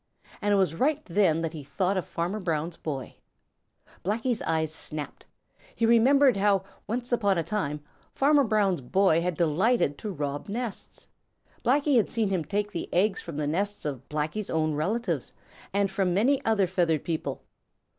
It was right then that he thought of Farmer Brown's boy. Blacky's eyes snapped. He remembered how, once upon a time, Farmer Brown's boy had delighted to rob nests. Blacky had seen him take the eggs from the nests of Blacky's own relatives and from many other feathered people.